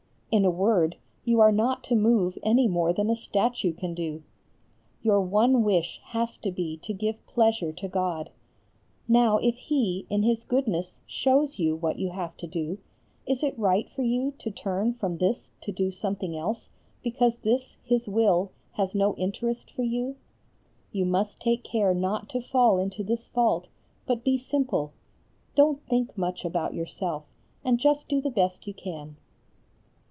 In a word you are not to move any more than a statue can do. Your one wish has to be to give pleasure to God; now if He in His goodness shows you what you have to do, is it right for you to turn from this to do something else because this, His will, has no interest for you? You must take care not to fall into this fault, but be simple; don't think much about yourself and just do the best you can.